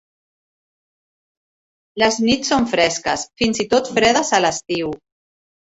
Les nits són fresques, fins i tot fredes a l'estiu.